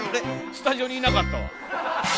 スタジオにいなかったわ。